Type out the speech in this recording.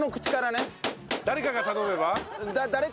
誰かが頼めば？